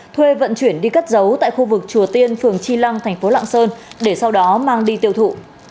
thuê vận chuyển đi cất giấu tại khu vực chùa tiên phường chi lăng thành phố lạng sơn để sau đó mang đi tiêu thụ